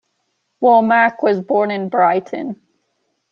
Womack was born in Brighton.